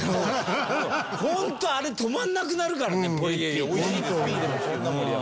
ホントあれ止まんなくなるからねポリッピーって。